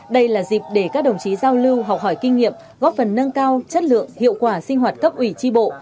đây là dịp để các đồng chí giao lưu học hỏi kinh nghiệm góp phần nâng cao chất lượng hiệu quả sinh hoạt cấp ủy tri bộ